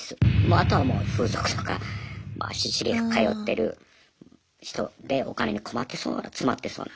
あとはもう風俗とかまあ足しげく通ってる人でお金に困ってそうな詰まってそうな。